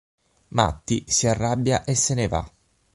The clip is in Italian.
Matty si arrabbia e se ne va.